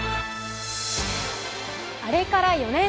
あれから４年。